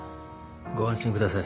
ご安心ください。